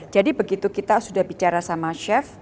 jadi begitu kita sudah bicara sama chef